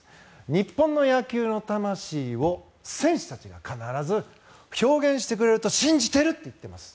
日本野球の魂を選手たちが必ず表現してくれると信じていると言っています。